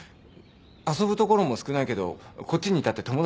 遊ぶ所も少ないけどこっちにいたって友達いないし。